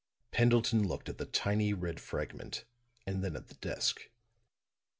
Pendleton looked at the tiny red fragment, and then at the desk.